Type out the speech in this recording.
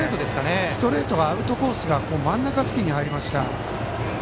ストレートのアウトコースが真ん中付近に入りました。